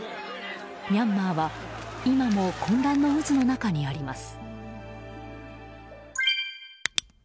ミャンマーは今も混乱の渦の中にあります。